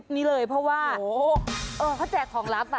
นี่เลยเพราะว่าเขาแจกของลับ